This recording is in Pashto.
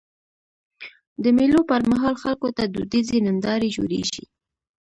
د مېلو پر مهال خلکو ته دودیزي نندارې جوړيږي.